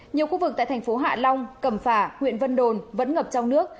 nhiều khu vực tại thành phố hạ long cẩm phả huyện vân đồn vẫn ngập trong nước